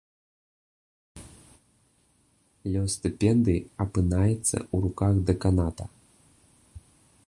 Лёс стыпендыі апынаецца ў руках дэканата.